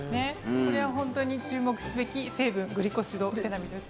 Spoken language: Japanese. これは本当に注目すべき成分グルコシルセラミドです。